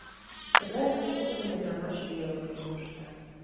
Тыгай вашмутым ӱдырамаш веле пуэн мошта.